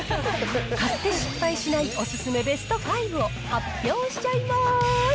買って失敗しないお勧めベスト５を発表しちゃいます。